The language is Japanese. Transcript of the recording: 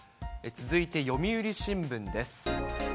続いて読売新聞です。